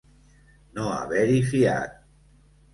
No haver-hi fiat.